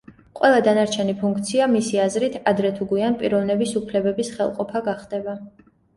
ყველა დანარჩენი ფუნქცია, მისი აზრით, ადრე თუ გვიან პიროვნების უფლებების ხელყოფა გახდება.